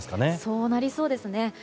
そうなりそうですね。